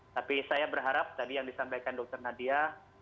tapi saya berharap tadi yang disampaikan dr nadia